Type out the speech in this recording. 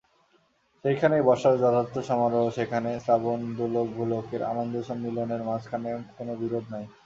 সেইখানেই বর্ষার যথার্থ সমারোহ-সেখানে শ্রাবণে দ্যুলোক-ভূলোকের আনন্দসম্মিলনের মাঝখানে কোনো বিরোধ নাই।